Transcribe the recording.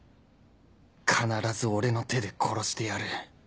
必ず俺の手で殺してやる